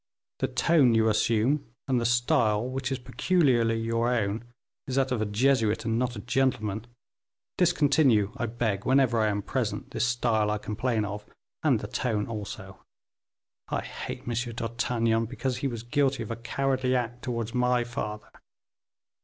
The tone you assume, and the style which is peculiarly your own, is that of a Jesuit, and not of a gentleman. Discontinue, I beg, whenever I am present, this style I complain of, and the tone also. I hate M. d'Artagnan, because he was guilty of a cowardly act towards my father."